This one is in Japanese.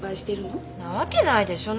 んなわけないでしょ。